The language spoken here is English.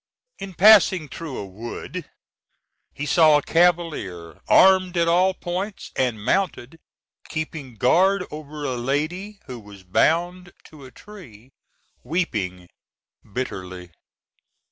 In passing through a wood he saw a cavalier armed at all points, and mounted, keeping guard over a lady who was bound to a tree, weeping bitterly.